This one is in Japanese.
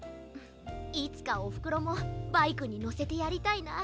いつかおふくろもバイクにのせてやりたいな。